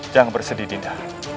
jangan bersedih dinda